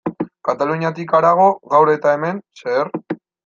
Kataluniatik harago, gaur eta hemen, zer?